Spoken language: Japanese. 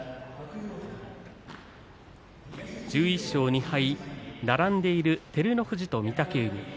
１１勝２敗、並んでいる照ノ富士と御嶽海。